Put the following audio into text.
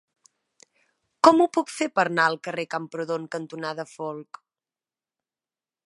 Com ho puc fer per anar al carrer Camprodon cantonada Folc?